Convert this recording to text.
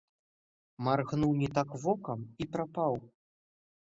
Маргнуў не так вокам і прапаў.